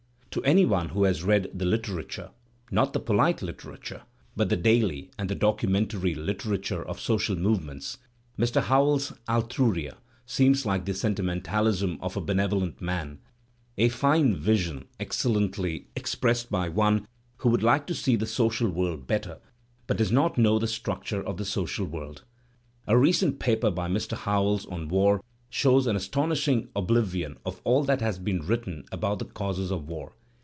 To any one who has read the literatiu*e, not the polite literature, but the daily and the documentary literature of social movements, Mr. Howells's "AltruGaJ* seems like the sentimentalism of a benevolent man, a very fine vision excellently expressed by one who would like to see the sodal world better but does not know the structure of the social world. A recent paper by Mr. Howells on war shows an astonishing oblivion of all that has been written about the causes of war.